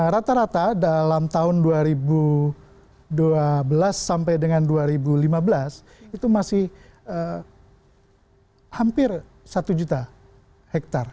rata rata dalam tahun dua ribu dua belas sampai dengan dua ribu lima belas itu masih hampir satu juta hektare